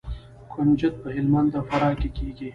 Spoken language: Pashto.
کنجد په هلمند او فراه کې کیږي.